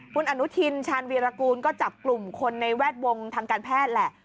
คุณอนุทินชาญวีรกูลก็จับกลุ่มคนในแวดวงทางการแพทย์แหละ